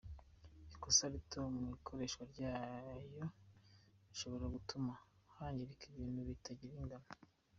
Ikosa rito mu ikoreshwa ryayo rishobora gutuma hangirika ibintu bitagira ingano.